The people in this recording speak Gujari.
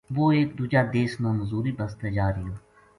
وہ ایک دوجا دیس نا مزوری بسطے جا رہیو